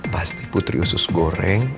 pasti putri usus goreng